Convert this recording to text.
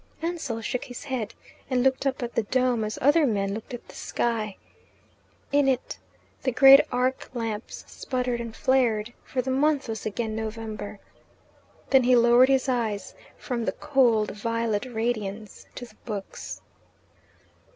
Ansell shook his head, and looked up at the dome as other men look at the sky. In it the great arc lamps sputtered and flared, for the month was again November. Then he lowered his eyes from the cold violet radiance to the books.